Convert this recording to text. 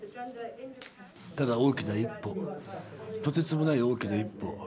ただ大きな一歩、とてつもない大きな一歩。